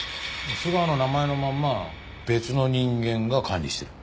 須川の名前のまんま別の人間が管理してる。